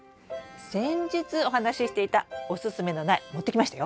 先日お話ししていたおすすめの苗持ってきましたよ！